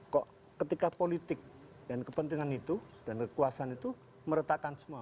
kok ketika politik dan kepentingan itu dan kekuasaan itu meretakan semua